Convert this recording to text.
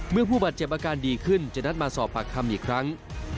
ผู้บาดเจ็บอาการดีขึ้นจะนัดมาสอบปากคำอีกครั้ง